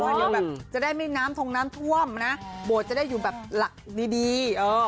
เดี๋ยวแบบจะได้ไม่น้ำทงน้ำท่วมนะโบสถ์จะได้อยู่แบบหลักดี